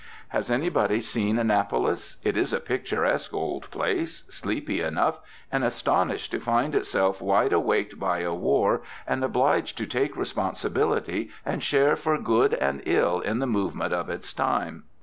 Has anybody seen Annapolis? It is a picturesque old place, sleepy enough, and astonished to find itself wide awaked by a war and obliged to take responsibility and share for good and ill in the movement of its time.